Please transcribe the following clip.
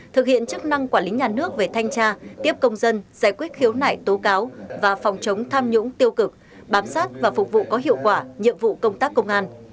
thực hiện chức năng quản lý nhà nước về thanh tra tiếp công dân giải quyết khiếu nại tố cáo và phòng chống tham nhũng tiêu cực bám sát và phục vụ có hiệu quả nhiệm vụ công tác công an